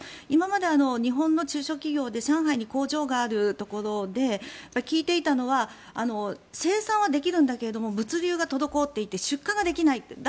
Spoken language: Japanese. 今まで、日本の中小企業で上海に工場があるところで聞いていたのは生産はできるんだけど物流が滞っていて出荷ができないと。